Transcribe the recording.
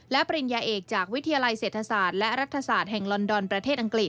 และปริญญาเอกจากวิทยาลัยเศรษฐศาสตร์และรัฐศาสตร์แห่งลอนดอนประเทศอังกฤษ